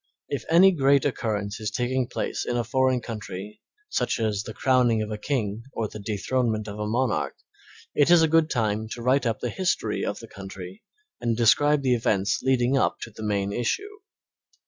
If any great occurrence is taking place in a foreign country such as the crowning of a king or the dethronement of a monarch, it is a good time to write up the history of the country and describe the events leading up to the main issue.